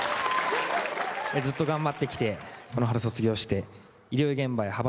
ずっと頑張ってきてこの春卒業して。